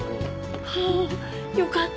ああよかった！